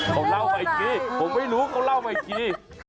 ผมเล่าใหม่อีกทีผมไม่รู้เขาเล่าใหม่อีกที